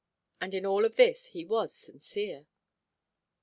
And in all of this he was sincere!